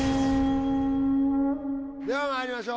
ではまいりましょう。